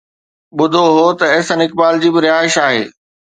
ٻڌو هو ته احسن اقبال جي به رهائش آهي.